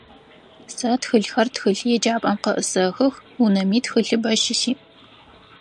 Сэ тхылъхэр тхылъеджапӏэм къыӏысэхых, унэми тхылъыбэ щысиӏ.